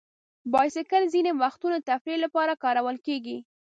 بایسکل ځینې وختونه د تفریح لپاره کارول کېږي.